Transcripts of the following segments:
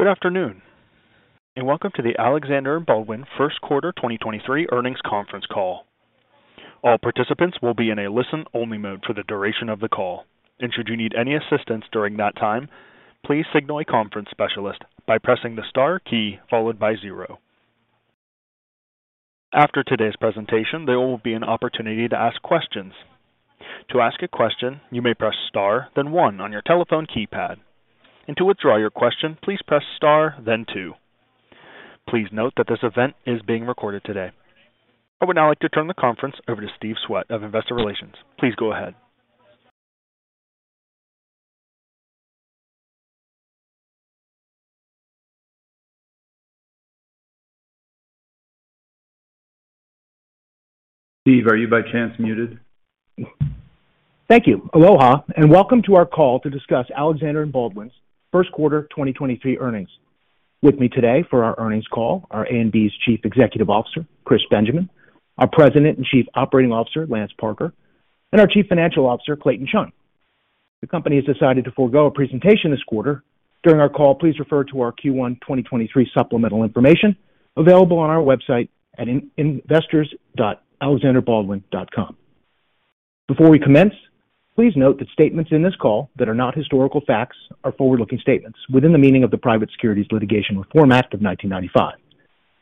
Good afternoon, welcome to the Alexander & Baldwin first quarter 2023 earnings conference call. All participants will be in a listen-only mode for the duration of the call. Should you need any assistance during that time, please signal a conference specialist by pressing the star key followed by 0. After today's presentation, there will be an opportunity to ask questions. To ask a question, you may press Star then one on your telephone keypad. To withdraw your question, please press Star then two. Please note that this event is being recorded today. I would now like to turn the conference over to Steve Sue of Investor Relations. Please go ahead. Steve, are you by chance muted? Thank you. Aloha, welcome to our call to discuss Alexander & Baldwin's first quarter 2023 earnings. With me today for our earnings call are A&B's Chief Executive Officer, Chris Benjamin, our President and Chief Operating Officer, Lance Parker, and our Chief Financial Officer, Clayton Chun. The company has decided to forego a presentation this quarter. During our call, please refer to our Q1 2023 supplemental information available on our website at investors.alexanderbaldwin.com. Before we commence, please note that statements in this call that are not historical facts are forward-looking statements within the meaning of the Private Securities Litigation Reform Act of 1995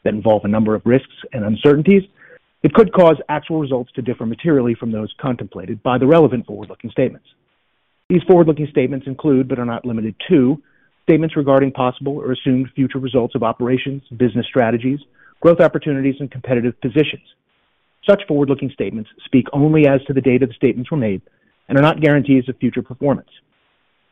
that involve a number of risks and uncertainties. It could cause actual results to differ materially from those contemplated by the relevant forward-looking statements. These forward-looking statements include, but are not limited to, statements regarding possible or assumed future results of operations, business strategies, growth opportunities, and competitive positions. Such forward-looking statements speak only as to the date the statements were made and are not guarantees of future performance.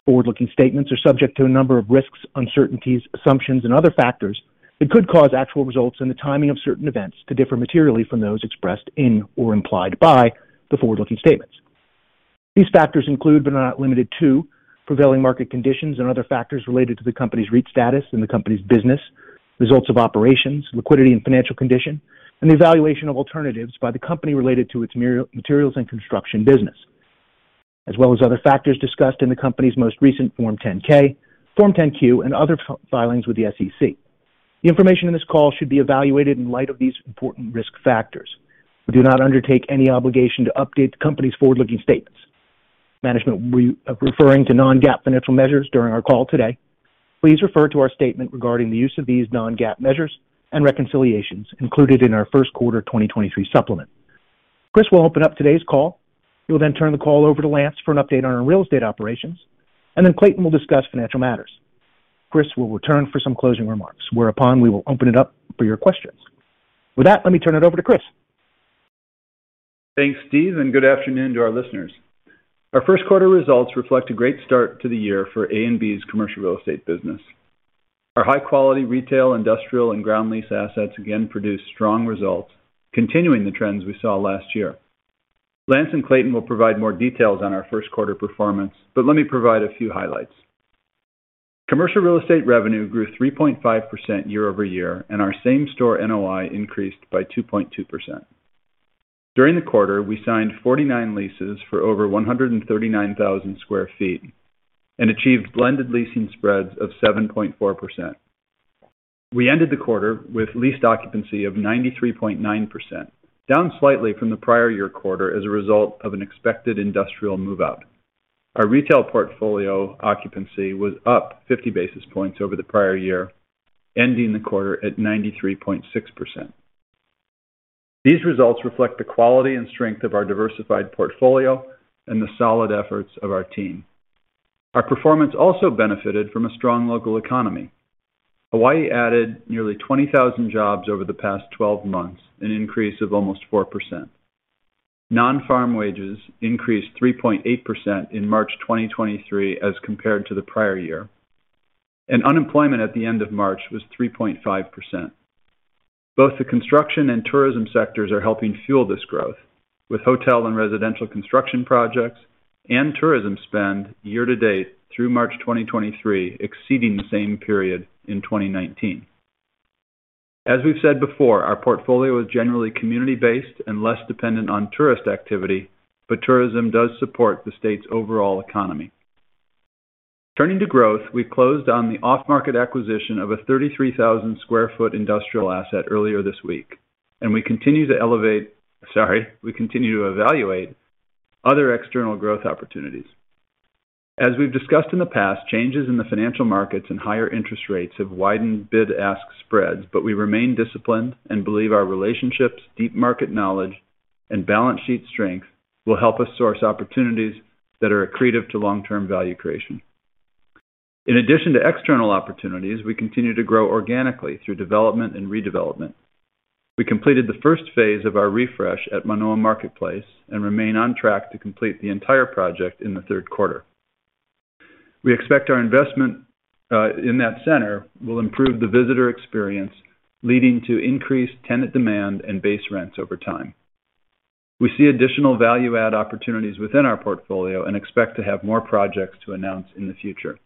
Forward-looking statements are subject to a number of risks, uncertainties, assumptions, and other factors that could cause actual results and the timing of certain events to differ materially from those expressed in or implied by the forward-looking statements. These factors include, but are not limited to, prevailing market conditions and other factors related to the company's REIT status and the company's business, results of operations, liquidity and financial condition, and the evaluation of alternatives by the company related to its Materials & Construction business, as well as other factors discussed in the company's most recent Form 10-K, Form 10-Q, and other filings with the SEC. The information in this call should be evaluated in light of these important risk factors. We do not undertake any obligation to update the company's forward-looking statements. Management will be referring to non-GAAP financial measures during our call today. Please refer to our statement regarding the use of these non-GAAP measures and reconciliations included in our first quarter 2023 supplement. Chris will open up today's call. He will then turn the call over to Lance for an update on our real estate operations, and then Clayton will discuss financial matters. Chris will return for some closing remarks, whereupon we will open it up for your questions. With that, let me turn it over to Chris. Thanks, Steve. Good afternoon to our listeners. Our first quarter results reflect a great start to the year for A&B's commercial real estate business. Our high-quality retail, industrial, and ground lease assets again produced strong results, continuing the trends we saw last year. Lance and Clayton will provide more details on our first quarter performance, but let me provide a few highlights. Commercial real estate revenue grew 3.5% year-over-year, and our Same-Store NOI increased by 2.2%. During the quarter, we signed 49 leases for over 139,000 sq ft and achieved blended leasing spreads of 7.4%. We ended the quarter with leased occupancy of 93.9%, down slightly from the prior year quarter as a result of an expected industrial move-out. Our retail portfolio occupancy was up 50 basis points over the prior year, ending the quarter at 93.6%. These results reflect the quality and strength of our diversified portfolio and the solid efforts of our team. Our performance also benefited from a strong local economy. Hawaii added nearly 20,000 jobs over the past 12 months, an increase of almost 4%. Non-farm wages increased 3.8% in March 2023 as compared to the prior year, unemployment at the end of March was 3.5%. Both the construction and tourism sectors are helping fuel this growth, with hotel and residential construction projects and tourism spend year to date through March 2023 exceeding the same period in 2019. As we've said before, our portfolio is generally community-based and less dependent on tourist activity, tourism does support the state's overall economy. Turning to growth, we closed on the off-market acquisition of a 33,000 sq ft industrial asset earlier this week. We continue to evaluate other external growth opportunities. As we've discussed in the past, changes in the financial markets and higher interest rates have widened bid-ask spreads, but we remain disciplined and believe our relationships, deep market knowledge, and balance sheet strength will help us source opportunities that are accretive to long-term value creation. In addition to external opportunities, we continue to grow organically through development and redevelopment. We completed the first phase of our refresh at Manoa Marketplace and remain on track to complete the entire project in the third quarter. We expect our investment in that center will improve the visitor experience, leading to increased tenant demand and base rents over time. We see additional value add opportunities within our portfolio and expect to have more projects to announce in the future.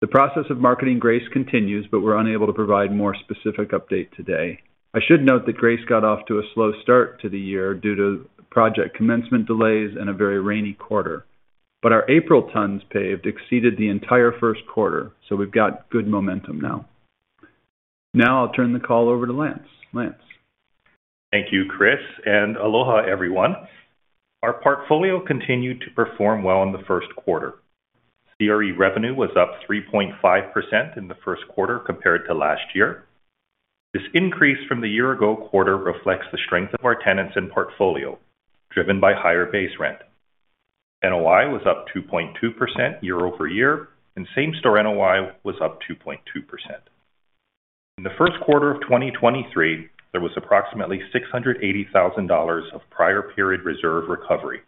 The process of marketing Grace continues. We're unable to provide more specific update today. I should note that Grace got off to a slow start to the year due to project commencement delays and a very rainy quarter. Our April tons paved exceeded the entire first quarter, so we've got good momentum now. Now I'll turn the call over to Lance. Lance. Thank you, Chris, and aloha everyone. Our portfolio continued to perform well in the first quarter. CRE revenue was up 3.5% in the first quarter compared to last year. This increase from the year-ago quarter reflects the strength of our tenants and portfolio, driven by higher base rent. NOI was up 2.2% year-over-year, and Same-Store NOI was up 2.2%. In the first quarter of 2023, there was approximately $680,000 of prior period reserve recovery,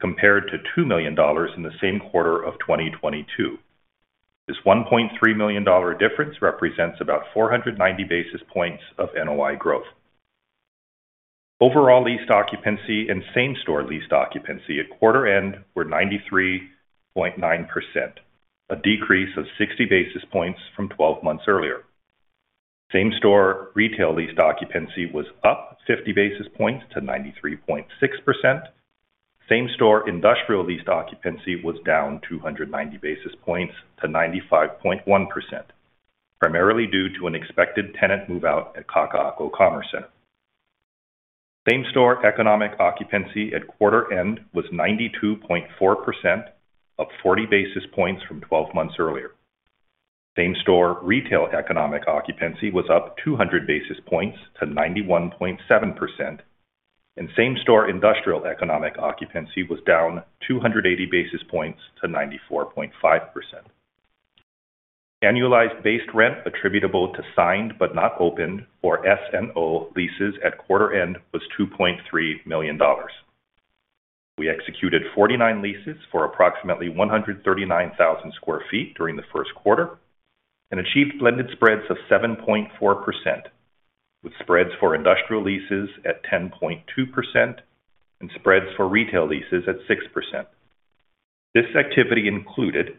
compared to $2 million in the same quarter of 2022. This $1.3 million difference represents about 490 basis points of NOI growth. Overall leased occupancy and Same-Store leased occupancy at quarter end were 93.9%, a decrease of 60 basis points from 12 months earlier. Same-store retail leased occupancy was up 50 basis points to 93.6%. Same-store industrial leased occupancy was down 290 basis points to 95.1%, primarily due to an expected tenant move out at Kakaʻako Commerce Center. Same-store economic occupancy at quarter end was 92.4%, up 40 basis points from 12 months earlier. Same-store retail economic occupancy was up 200 basis points to 91.7%, and same-store industrial economic occupancy was down 280 basis points to 94.5%. Annualized base rent attributable to signed but not opened, or SNO leases at quarter end was $2.3 million. We executed 49 leases for approximately 139,000 sq ft during the first quarter and achieved blended spreads of 7.4%, with spreads for industrial leases at 10.2% and spreads for retail leases at 6%. This activity included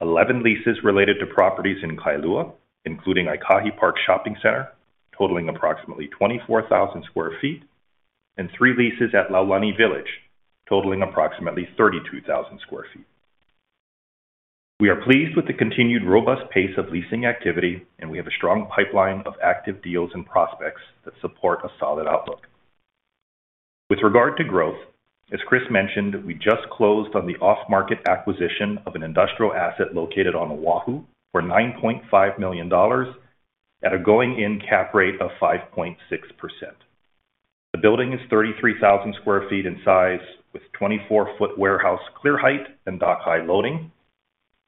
11 leases related to properties in Kailua, including Aikahi Park Shopping Center, totaling approximately 24,000 sq ft, and three leases at Laulani Village, totaling approximately 32,000 sq ft. We are pleased with the continued robust pace of leasing activity, and we have a strong pipeline of active deals and prospects that support a solid outlook. With regard to growth, as Chris mentioned, we just closed on the off-market acquisition of an industrial asset located on O'ahu for $9.5 million at a going-in cap rate of 5.6%. The building is 33,000 sq ft in size with 24-foot warehouse clear height and dock high loading,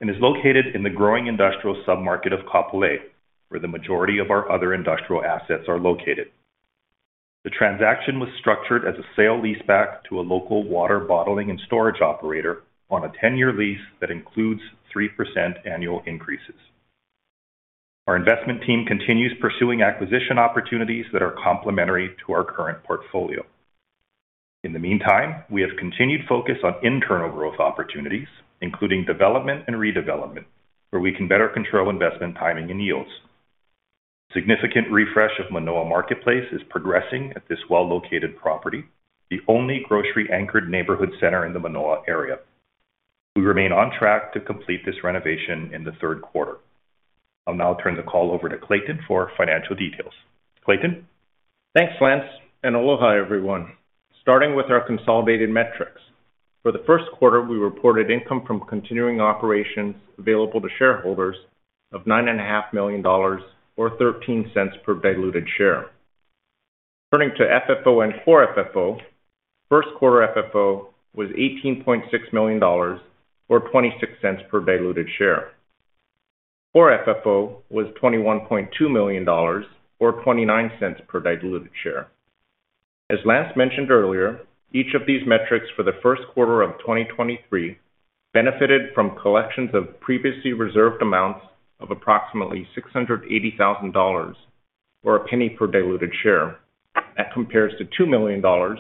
and is located in the growing industrial submarket of Kapolei, where the majority of our other industrial assets are located. The transaction was structured as a sale leaseback to a local water bottling and storage operator on a 10-year lease that includes 3% annual increases. Our investment team continues pursuing acquisition opportunities that are complementary to our current portfolio. In the meantime, we have continued focus on internal growth opportunities, including development and redevelopment, where we can better control investment timing and yields. Significant refresh of Manoa Marketplace is progressing at this well-located property, the only grocery anchored neighborhood center in the Manoa area. We remain on track to complete this renovation in the third quarter. I'll now turn the call over to Clayton for financial details. Clayton. Thanks, Lance, and aloha everyone. Starting with our consolidated metrics. For the first quarter, we reported income from continuing operations available to shareholders of nine and a half million dollars or $0.13 per diluted share. Turning to FFO and Core FFO, first quarter FFO was $18.6 million or $0.26 per diluted share. Core FFO was $21.2 million or $0.29 per diluted share. As Lance mentioned earlier, each of these metrics for the first quarter of 2023 benefited from collections of previously reserved amounts of approximately $680,000 or $0.01 per diluted share. That compares to $2 million or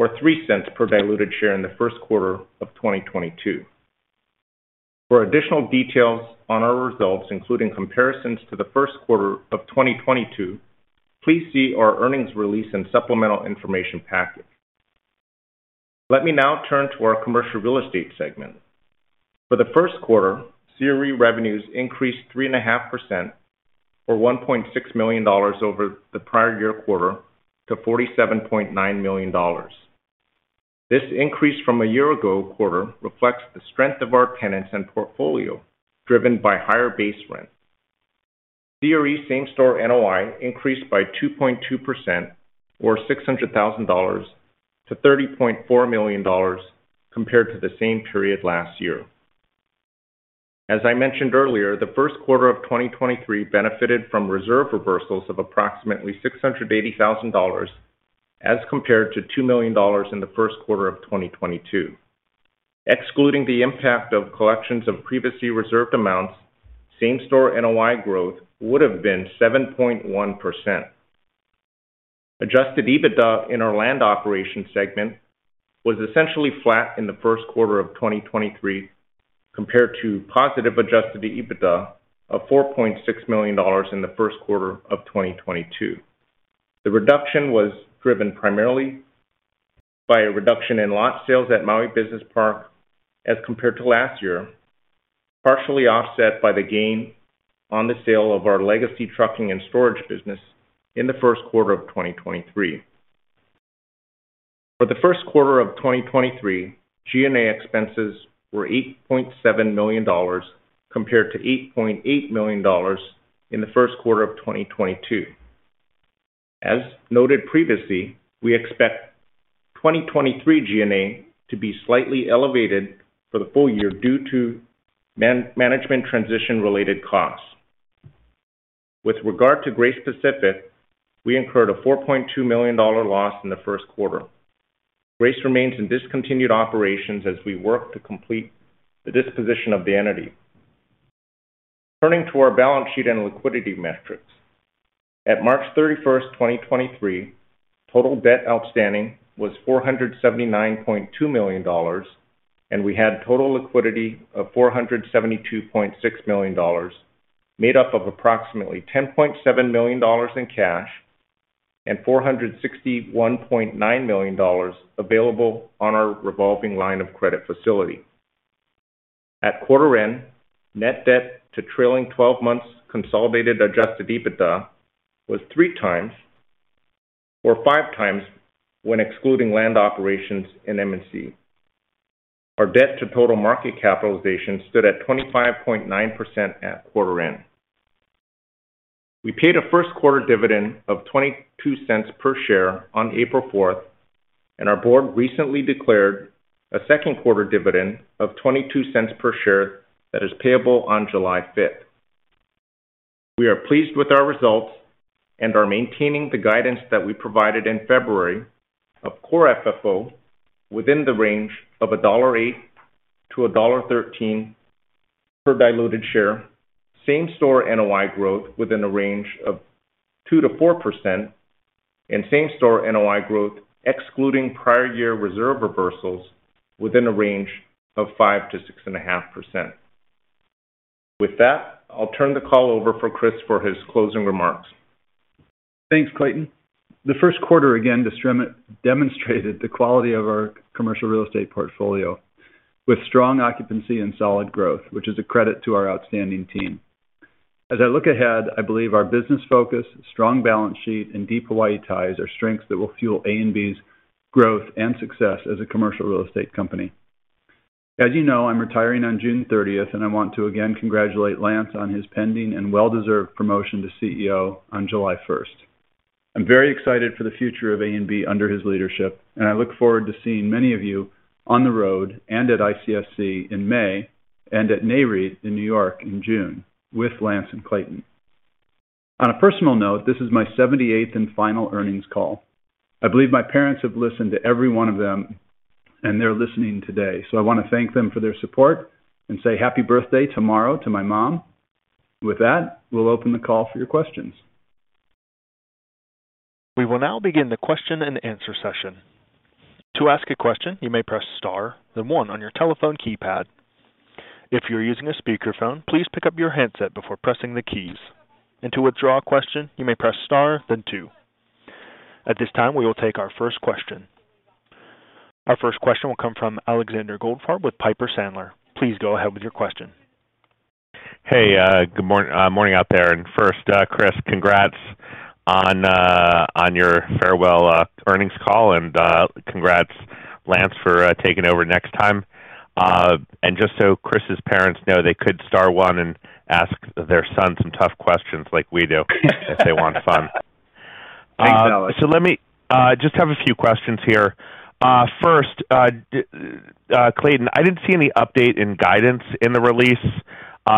$0.03 per diluted share in the first quarter of 2022. For additional details on our results, including comparisons to the first quarter of 2022, please see our earnings release and supplemental information package. Let me now turn to our commercial real estate segment. For the first quarter, CRE revenues increased 3.5% or $1.6 million over the prior-year quarter to $47.9 million. This increase from a year-ago quarter reflects the strength of our tenants and portfolio, driven by higher base rent. CRE Same-Store NOI increased by 2.2% or $600,000 to $30.4 million compared to the same period last year. As I mentioned earlier, the first quarter of 2023 benefited from reserve reversals of approximately $680,000 as compared to $2 million in the first quarter of 2022. Excluding the impact of collections of previously reserved amounts, Same-Store NOI growth would have been 7.1%. Adjusted EBITDA in our land operations segment was essentially flat in the first quarter of 2023 compared to positive Adjusted EBITDA of $4.6 million in the first quarter of 2022. The reduction was driven primarily by a reduction in lot sales at Maui Business Park as compared to last year, partially offset by the gain on the sale of our legacy trucking and storage business in the first quarter of 2023. For the first quarter of 2023, G&A expenses were $8.7 million compared to $8.8 million in the first quarter of 2022. As noted previously, we expect 2023 G&A to be slightly elevated for the full year due to management transition-related costs. With regard to Grace Pacific, we incurred a $4.2 million loss in the first quarter. Grace remains in discontinued operations as we work to complete the disposition of the entity. Turning to our balance sheet and liquidity metrics. At March 31, 2023, total debt outstanding was $479.2 million, and we had total liquidity of $472.6 million, made up of approximately $10.7 million in cash and $461.9 million available on our revolving line of credit facility. At quarter end, net debt to trailing 12 months consolidated adjusted EBITDA was three times, or five times when excluding land operations in M&C. Our debt to total market capitalization stood at 25.9% at quarter end. We paid a first quarter dividend of $0.22 per share on April 4th, and our board recently declared a second quarter dividend of $0.22 per share that is payable on July 5th. We are pleased with our results and are maintaining the guidance that we provided in February of Core FFO within the range of $1.08-$1.13 per diluted share, Same-Store NOI growth within a range of 2%-4%, and Same-Store NOI growth excluding prior year reserve reversals within a range of 5%-6.5%. With that, I'll turn the call over for Chris for his closing remarks. Thanks, Clayton. The first quarter again demonstrated the quality of our commercial real estate portfolio with strong occupancy and solid growth, which is a credit to our outstanding team. As I look ahead, I believe our business focus, strong balance sheet, and deep Hawaii ties are strengths that will fuel ALEX's growth and success as a commercial real estate company. As you know, I'm retiring on June 30th, and I want to again congratulate Lance on his pending and well-deserved promotion to CEO on July 1st. I'm very excited for the future of ALEX under his leadership, and I look forward to seeing many of you on the road and at ICSC in May and at Nareit in New York in June with Lance and Clayton. On a personal note, this is my 78th and final earnings call. I believe my parents have listened to every one of them, and they're listening today. I want to thank them for their support and say happy birthday tomorrow to my mom. With that, we'll open the call for your questions. We will now begin the question and answer session. To ask a question, you may press star, then one on your telephone keypad. If you're using a speakerphone, please pick up your handset before pressing the keys. To withdraw a question, you may press star, then two. At this time, we will take our first question. Our first question will come from Alexander Goldfarb with Piper Sandler. Please go ahead with your question. Hey, good morning out there. First, Chris, congrats on your farewell earnings call, and congrats, Lance, for taking over next time. Just so Chris's parents know, they could star one and ask their son some tough questions like we do if they want fun. Thanks, Alex. Let me just have a few questions here. First, Clayton, I didn't see any update in guidance in the release.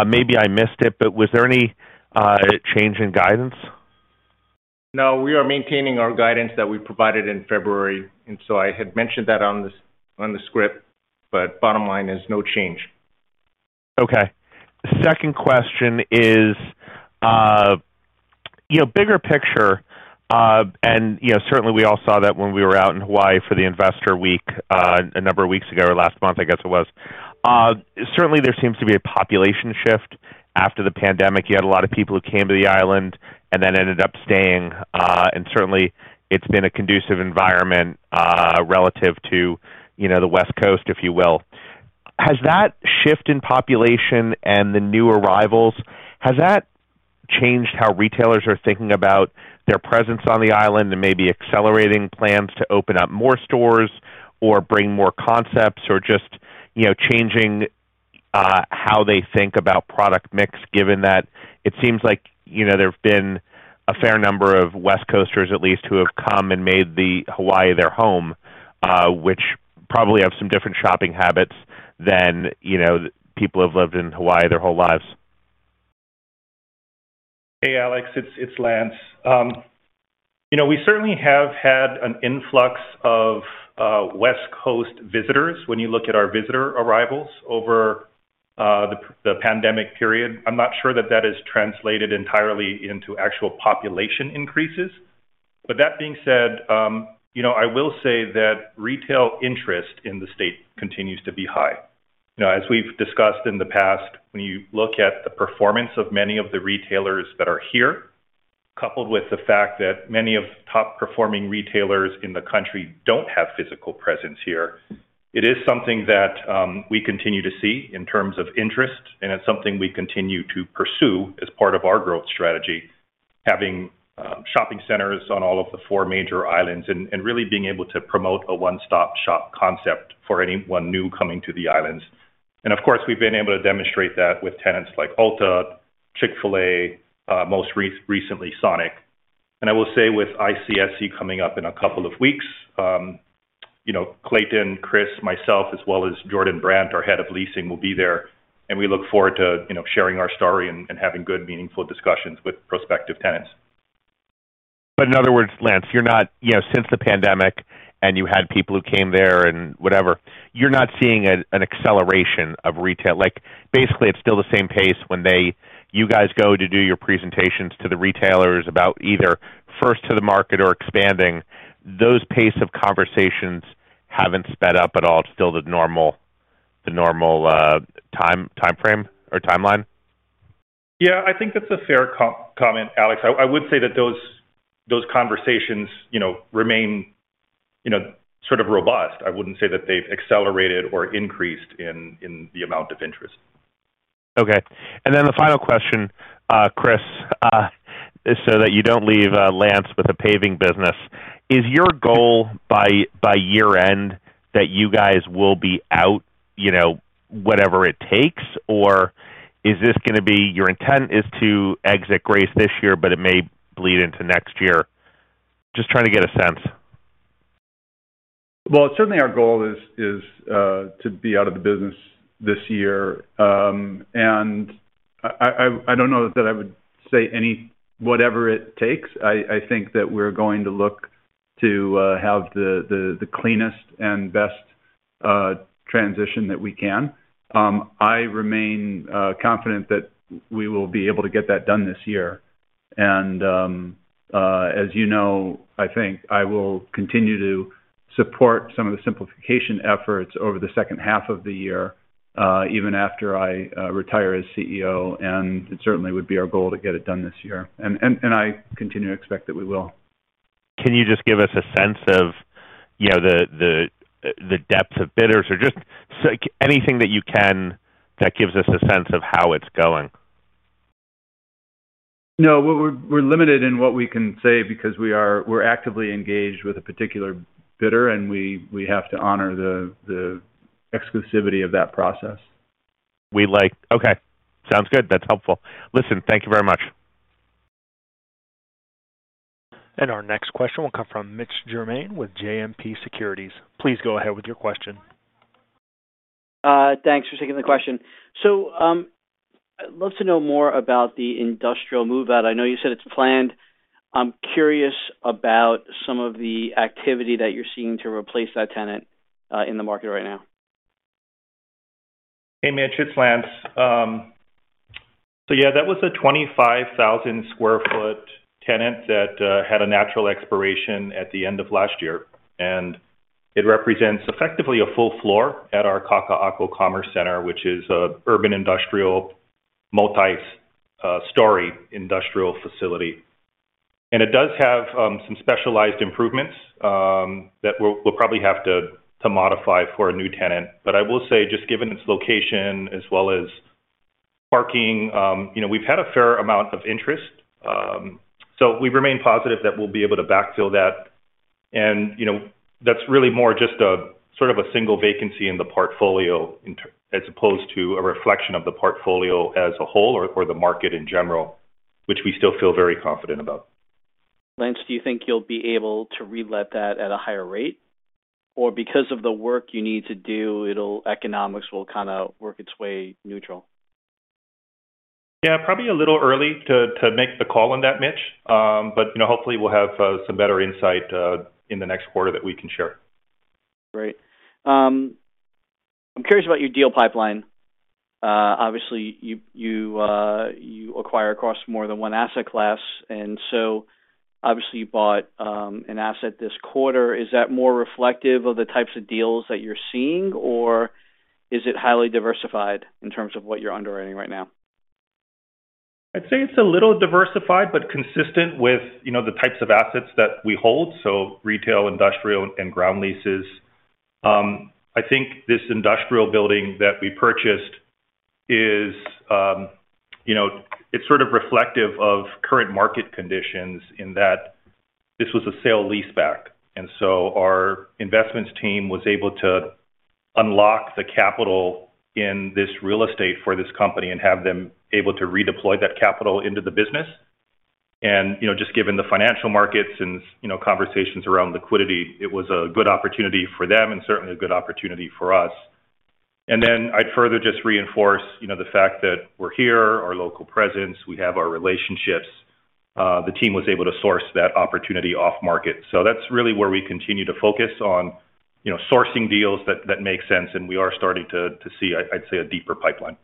Maybe I missed it, but was there any change in guidance? No. We are maintaining our guidance that we provided in February, and so I had mentioned that on the script, but bottom line is no change. Okay. Second question is, you know, bigger picture, and, you know, certainly we all saw that when we were out in Hawaii for the investor week, a number of weeks ago, or last month, I guess it was. Certainly there seems to be a population shift after the pandemic. You had a lot of people who came to the island and then ended up staying, and certainly it's been a conducive environment, relative to, you know, the West Coast, if you will. Has that shift in population and the new arrivals, has that changed how retailers are thinking about their presence on the island and maybe accelerating plans to open up more stores or bring more concepts or just, you know, changing how they think about product mix, given that it seems like, you know, there have been a fair number of West Coasters at least who have come and made Hawaii their home, which probably have some different shopping habits than, you know, people who have lived in Hawaii their whole lives? Hey, Alex, it's Lance. You know, we certainly have had an influx of West Coast visitors when you look at our visitor arrivals over the pandemic period. I'm not sure that that is translated entirely into actual population increases. That being said, you know, I will say that retail interest in the state continues to be high. You know, as we've discussed in the past, when you look at the performance of many of the retailers that are here Coupled with the fact that many of top-performing retailers in the country don't have physical presence here, it is something that we continue to see in terms of interest, and it's something we continue to pursue as part of our growth strategy, having shopping centers on all of the four major islands and really being able to promote a one-stop-shop concept for anyone new coming to the islands. Of course, we've been able to demonstrate that with tenants like Ulta, Chick-fil-A, recently Sonic. I will say with ICSC coming up in a couple of weeks, you know, Clayton, Chris, myself, as well as Jordan Brant, our Head of Leasing, will be there, and we look forward to, you know, sharing our story and having good, meaningful discussions with prospective tenants. In other words, Lance, you're not. You know, since the pandemic, and you had people who came there and whatever, you're not seeing an acceleration of retail. Like, basically, it's still the same pace when you guys go to do your presentations to the retailers about either first to the market or expanding. Those pace of conversations haven't sped up at all. It's still the normal, the normal time, timeframe or timeline? Yeah, I think that's a fair comment, Alex. I would say that those conversations, you know, remain, you know, sort of robust. I wouldn't say that they've accelerated or increased in the amount of interest. Okay. Then the final question, Chris, so that you don't leave, Lance with the paving business. Is your goal by year-end that you guys will be out, you know, whatever it takes? Is this going to be your intent is to exit Grace this year, but it may bleed into next year? Just trying to get a sense. Well, certainly our goal is to be out of the business this year. I don't know that I would say whatever it takes. I think that we're going to look to have the cleanest and best transition that we can. I remain confident that we will be able to get that done this year. As you know, I think, I will continue to support some of the simplification efforts over the second half of the year, even after I retire as CEO, and it certainly would be our goal to get it done this year. I continue to expect that we will. Can you just give us a sense of, you know, the depth of bidders or just anything that you can that gives us a sense of how it's going? No. We're limited in what we can say because we're actively engaged with a particular bidder, and we have to honor the exclusivity of that process. We like... Okay. Sounds good. That's helpful. Listen, thank you very much. Our next question will come from Mitch Germain with JMP Securities. Please go ahead with your question. Thanks for taking the question. I'd love to know more about the industrial move out. I know you said it's planned. I'm curious about some of the activity that you're seeing to replace that tenant in the market right now. Hey, Mitch, it's Lance. Yeah, that was a 25,000 sq ft tenant that had a natural expiration at the end of last year, and it represents effectively a full floor at our Kakaʻako Commerce Center, which is a urban industrial multi-story industrial facility. It does have some specialized improvements that we'll probably have to modify for a new tenant. I will say, just given its location as well as parking, you know, we've had a fair amount of interest. We remain positive that we'll be able to backfill that. You know, that's really more just a sort of a single vacancy in the portfolio as opposed to a reflection of the portfolio as a whole or the market in general, which we still feel very confident about. Lance, do you think you'll be able to relet that at a higher rate? Because of the work you need to do, economics will kinda work its way neutral? Yeah, probably a little early to make the call on that, Mitch. you know, hopefully we'll have some better insight in the next quarter that we can share. Great. I'm curious about your deal pipeline. Obviously, you, you acquire across more than one asset class, and so obviously you bought an asset this quarter. Is that more reflective of the types of deals that you're seeing, or is it highly diversified in terms of what you're underwriting right now? I'd say it's a little diversified but consistent with, you know, the types of assets that we hold, so retail, industrial, and ground leases. I think this industrial building that we purchased is, you know, it's sort of reflective of current market conditions in that this was a sale-leaseback. Our investments team was able to unlock the capital in this real estate for this company and have them able to redeploy that capital into the business. You know, just given the financial markets and you know, conversations around liquidity, it was a good opportunity for them and certainly a good opportunity for us. I'd further just reinforce, you know, the fact that we're here, our local presence, we have our relationships. The team was able to source that opportunity off market. that's really where we continue to focus on, you know, sourcing deals that make sense, and we are starting to see, I'd say, a deeper pipeline.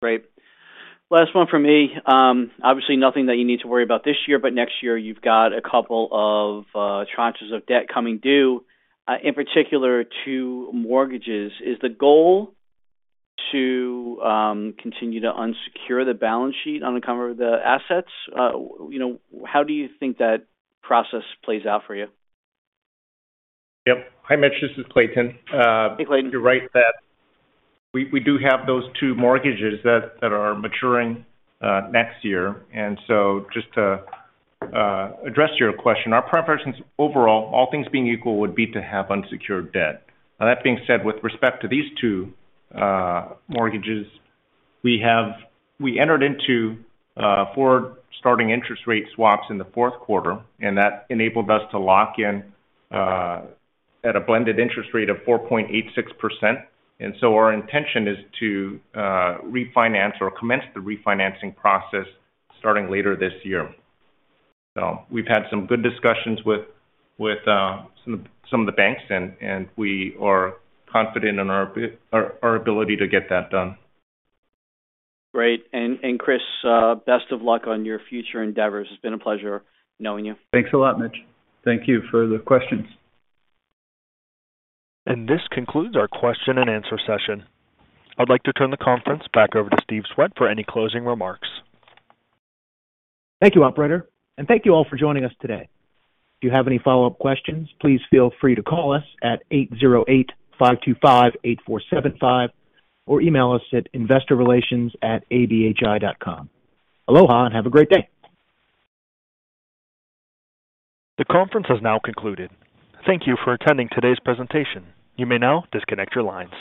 Great. Last one from me. Obviously nothing that you need to worry about this year, but next year you've got a couple of tranches of debt coming due, in particular 2 mortgages. Is the goal to continue to unsecure the balance sheet on account of the assets? You know, how do you think that process plays out for you? Yep. Hi, Mitch. This is Clayton. Hey, Clayton. You're right that we do have those two mortgages that are maturing next year. Just to address your question, our preference overall, all things being equal, would be to have unsecured debt. That being said, with respect to these two mortgages, we entered into forward-starting interest rate swaps in the fourth quarter, and that enabled us to lock in at a blended interest rate of 4.86%. Our intention is to refinance or commence the refinancing process starting later this year. We've had some good discussions with some of the banks, and we are confident in our ability to get that done. Great. Chris, best of luck on your future endeavors. It's been a pleasure knowing you. Thanks a lot, Mitch. Thank you for the questions. This concludes our question and answer session. I'd like to turn the conference back over to Steve Sue for any closing remarks. Thank you, operator, and thank you all for joining us today. If you have any follow-up questions, please feel free to call us at 808-525-8475 or email us at investorrelations@abhi.com. Aloha and have a great day. The conference has now concluded. Thank you for attending today's presentation. You may now disconnect your lines.